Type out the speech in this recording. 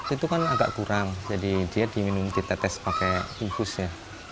itu kan agak kurang jadi dia diminum ditetes pakai bungkus ya